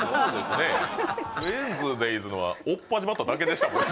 ウェンズデイズのはおっぱじまっただけでしたもんね